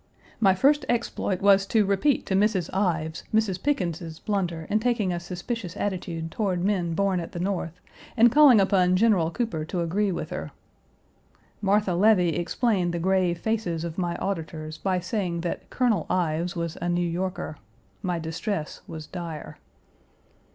My first exploit was to repeat to Mrs. Ives Mrs. Pickens's blunder in taking a suspicious attitude toward men born at the North, and calling upon General Cooper to agree with her. Martha Levy explained the grave faces of my auditors by saying that Colonel Ives was a New Yorker. My distress was dire.